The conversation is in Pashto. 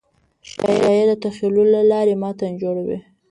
شاعر د تخیل له لارې متن جوړوي.